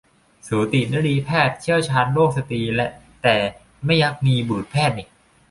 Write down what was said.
สูตินรีแพทย์ เชี่ยวชาญโรคสตรี แต่ไม่ยักมี บุรุษแพทย์นิ